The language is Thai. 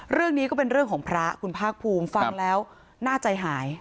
เรื่องนี้ก็เป็นเรื่องของพระคุณภาคภูมิฟังแล้วน่าใจหาย